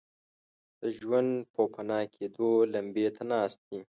د ژوند پوپناه کېدو لمبې ته ناست دي.